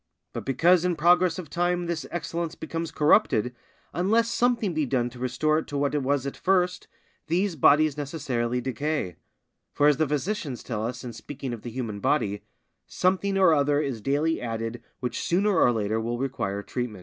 But because in progress of time this excellence becomes corrupted, unless something be done to restore it to what it was at first, these bodies necessarily decay; for as the physicians tell us in speaking of the human body, "_Something or other is daily added which sooner or later will require treatment.